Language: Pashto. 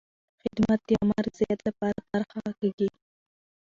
خدمت د عامه رضایت لپاره طرحه کېږي.